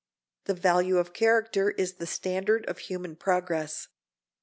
The value of character is the standard of human progress.